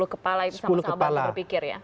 sepuluh kepala yang sama sama berpikir ya